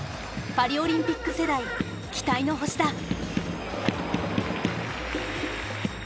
パリオリンピック世代期待の星だ。